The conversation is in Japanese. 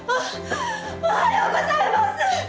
おはようございます！